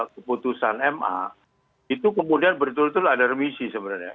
keputusan ma itu kemudian betul betul ada remisi sebenarnya